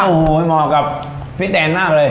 โอ้โหเหมาะกับพี่แตนมากเลย